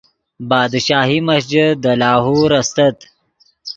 بادشاہی مسجد دے لاہور استت